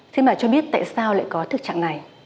thế mà cho biết tại sao lại có thực trạng này